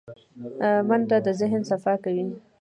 منډه د ذهن صفا کوي